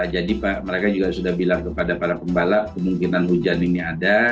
jadi mereka juga sudah bilang kepada para pembalap kemungkinan hujan ini ada